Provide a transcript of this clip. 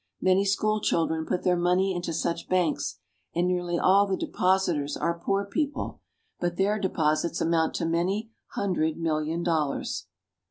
Many school children put their money into such banks, and nearly all the depositors are poor people; but their deposits amount to many hundred million dollars.